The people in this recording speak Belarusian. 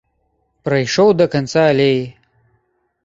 Прайшоў да канца алеі.